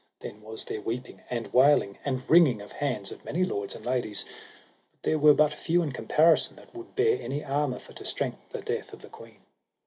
Then was there weeping, and wailing, and wringing of hands, of many lords and ladies, but there were but few in comparison that would bear any armour for to strength the death of the queen.